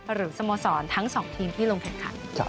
หรือสโมสรทั้งสองทีมที่ลงเทศคัต